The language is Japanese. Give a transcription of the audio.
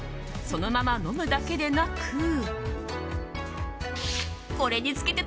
そのまま飲むだけでなく。